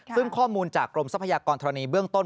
ซึ่งข้อมูลจากกรมทรัพยากรธรณีเบื้องต้น